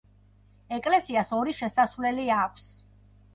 ეკლესიას ორი შესასვლელი აქვს.